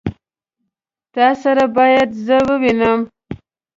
تا سره بايد زه ووينم.